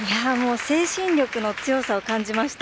精神力の強さを感じました。